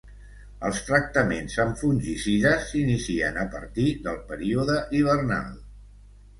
Els tractaments amb fungicides s'inicien a partir del període hivernal.